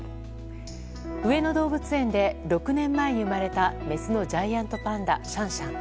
上野動物園で６年前に生まれたメスのジャイアントパンダシャンシャン。